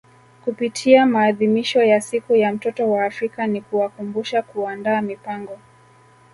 Kupitia maadhimisho ya siku ya mtoto wa Afrika ni kuwakumbusha kuandaa mipango